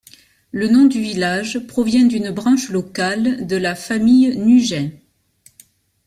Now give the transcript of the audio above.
Le nom du village provient d'une branche locale de la famille Nugent.